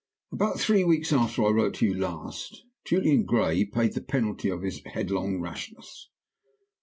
"About three weeks after I wrote to you last, Julian Gray paid the penalty of his headlong rashness.